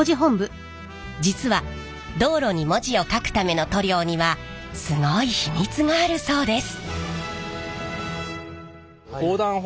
実は道路に文字をかくための塗料にはすごい秘密があるそうです。